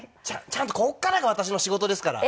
ちゃんとここからが私の仕事ですから。